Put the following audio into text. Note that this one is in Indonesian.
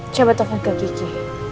coba tukang ke kiki